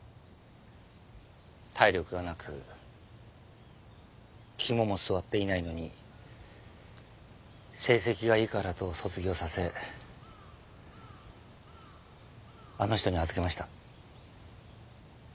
体力がなく肝も据わっていないのに成績がいいからと卒業させあの人に預けました。